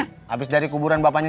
habis dari kuburan bapaknya